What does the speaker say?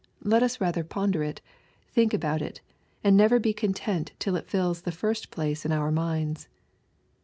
Let us rather ponder it, think about it, and never be content till it fills the first place in our minds.